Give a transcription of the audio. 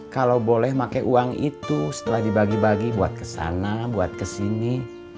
kalau boleh pakai uang itu setelah dibagi bagi buat kesana buat kesini